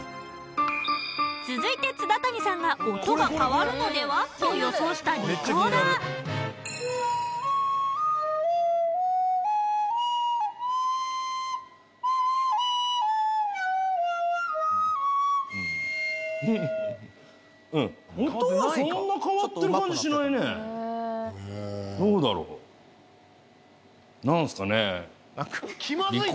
続いて津田谷さんが音が変わるのでは？と予想したリコーダーどうだろう何すかね